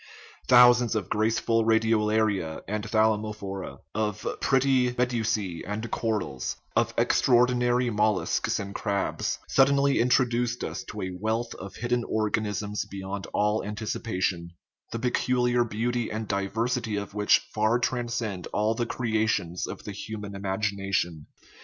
Thousands of graceful radiolaria and thalamophora, of pretty medusae and corals, of extraordinary mol luscs, and crabs, suddenly introduced us to a wealth of hidden organisms beyond all anticipation, the pe culiar beauty and diversity of which far transcend all the creations of the human imagination.